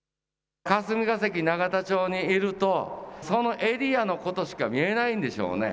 霞が関、永田町にいると、そのエリアのことしか見えないんですよね。